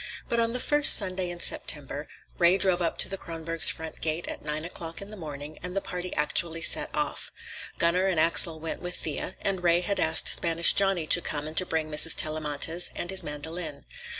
But on the first Sunday in September, Ray drove up to the Kronborgs' front gate at nine o'clock in the morning and the party actually set off. Gunner and Axel went with Thea, and Ray had asked Spanish Johnny to come and to bring Mrs. Tellamantez and his mandolin.